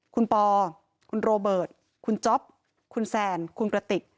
คุณปอคุณโรเบิร์ตคุณจ๊อปคุณแซนคุณกระติก